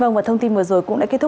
và thông tin vừa rồi cũng đã kết thúc